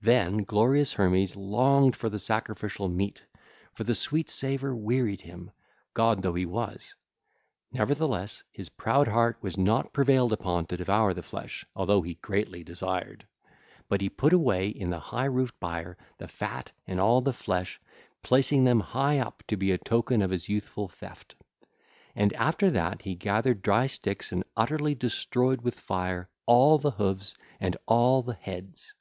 Then glorious Hermes longed for the sacrificial meat, for the sweet savour wearied him, god though he was; nevertheless his proud heart was not prevailed upon to devour the flesh, although he greatly desired 2519. But he put away the fat and all the flesh in the high roofed byre, placing them high up to be a token of his youthful theft. And after that he gathered dry sticks and utterly destroyed with fire all the hoofs and all the heads.